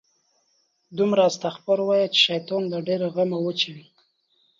دومره استغفار وایه، چې شیطان له ډېره غمه وچوي